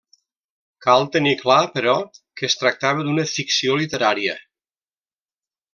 Cal tenir clar, però, que es tractava d’una ficció literària.